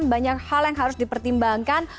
banyak hal yang harus dipertimbangkan